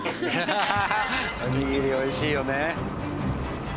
おにぎり美味しいよね。